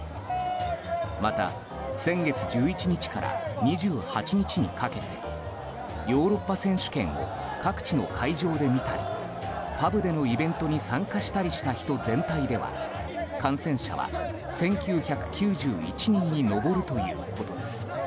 また、先月１１日から２８日にかけてヨーロッパ選手権を各地の会場で見たりパブでのイベントに参加したりした人全体では感染者は１９９１人に上るということです。